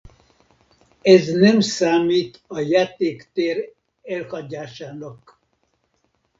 Ez nem számít a játéktér elhagyásának.